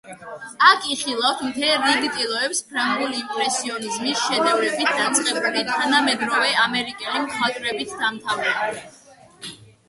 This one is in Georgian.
აქ იხილავთ მთელ რიგ ტილოებს ფრანგული იმპრესიონიზმის შედევრებით დაწყებული, თანამედროვე ამერიკელი მხატვრებით დამთავრებული.